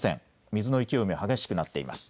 水の勢いが激しくなっています。